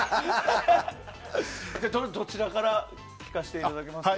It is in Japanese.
どちらから聴かせていただけますか？